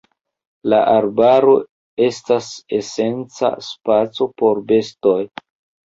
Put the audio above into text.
La arbaro estas esenca spaco por bestoj.